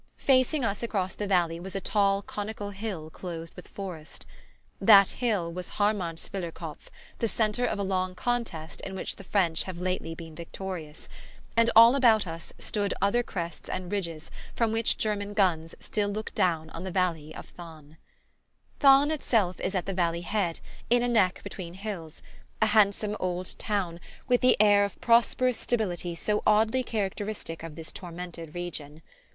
Facing us across the valley was a tall conical hill clothed with forest. That hill was Hartmannswillerkopf, the centre of a long contest in which the French have lately been victorious; and all about us stood other crests and ridges from which German guns still look down on the valley of Thann. Thann itself is at the valley head, in a neck between hills; a handsome old town, with the air of prosperous stability so oddly characteristic of this tormented region.